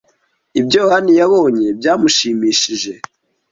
Ibyo Yohani yabonye byamushimishije.